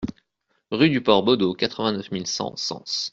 Rue du Port Bodot, quatre-vingt-neuf mille cent Sens